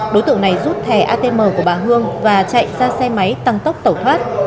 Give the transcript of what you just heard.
đối tượng này rút thẻ atm của bà hương và chạy ra xe máy tăng tốc tẩu thoát